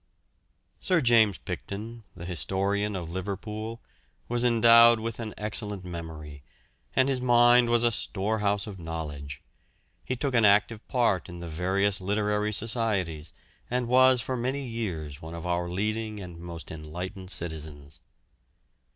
Sir James Picton, the historian of Liverpool, was endowed with an excellent memory, and his mind was a storehouse of knowledge. He took an active part in the various literary societies, and was for many years one of our leading and most enlightened citizens.